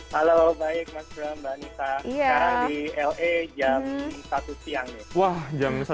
halo baik mas bram mbak anissa sekarang di la jam satu siang nih